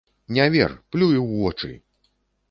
Не вер, плюй у вочы!